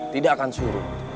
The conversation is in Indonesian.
tidak akan suruh